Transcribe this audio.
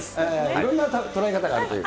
いろんな捉え方があるという。